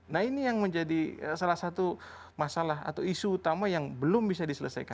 nah ini yang menjadi salah satu masalah atau isu utama yang belum bisa diselesaikan